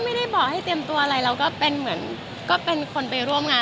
ไม่ได้บอกให้เตรียมตัวอะไรเราก็เป็นเหมือนก็เป็นคนไปร่วมงาน